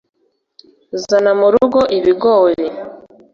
zana murugo ibigori.